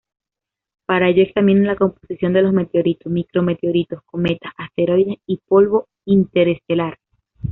Para ello examina la composición de los meteoritos, micrometeoritos, cometas, asteroides y polvo interestelar.